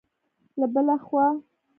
له بلې خوا